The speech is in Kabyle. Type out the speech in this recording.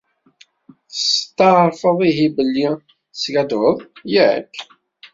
Tsetεerfeḍ ihi belli teskaddbeḍ, yak?